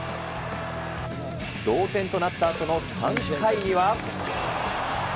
同点となったあとの３回には。